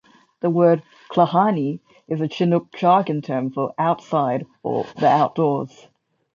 The word "Klahanie" is a Chinook Jargon term for "outside" or "the outdoors".